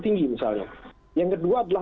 tinggi misalnya yang kedua adalah